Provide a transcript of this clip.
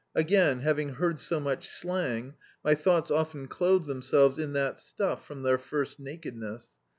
Again, having heard so much slang my dioughts often clothe themselves in that stuff from their first nakedness.